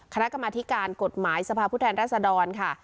คณะกรรมธิการกฎหมายสภาพผู้แทนรัศดรค่ะ